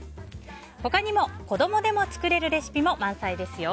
他にも子供でも作れるレシピも満載ですよ。